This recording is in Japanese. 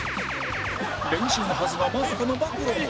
練習のはずがまさかの暴露